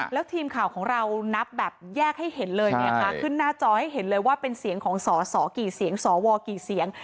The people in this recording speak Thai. แล้วทีมข่าวของเรานับแบบแยกให้เห็นเลยนะคะขึ้นหน้าจอให้เห็นเลยว่าเป็นเสียงของสอสอกี่เสียงสวกี่เสียง